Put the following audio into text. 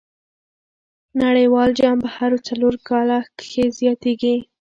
نړۍوال جام په هرو څلور کاله کښي کیږي.